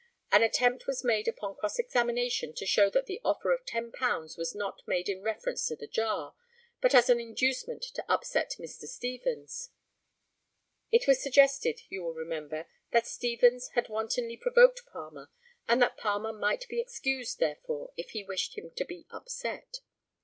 An attempt was made upon cross examination to show that the offer of £10 was not made in reference to the jar, but as an inducement to upset Mr. Stevens. It was suggested, you will remember, that Stevens had wantonly provoked Palmer, and that Palmer might be excused, therefore, if he wished him to be upset.